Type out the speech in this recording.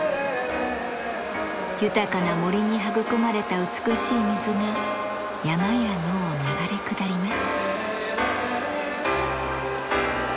豊かな森に育まれた美しい水が山や野を流れ下ります。